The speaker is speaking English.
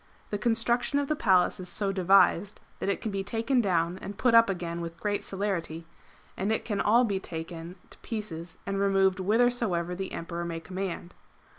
The construction of the Palace is so devised that it can be taken down and put up again with great celerity ; and it can all be taken 300 MARCO POLO Book I. to pieces and removed whithersoever the Emperor may command.